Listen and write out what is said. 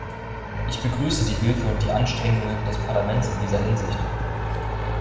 Ich begrüße die Hilfe und die Anstrengungen des Parlaments in dieser Hinsicht.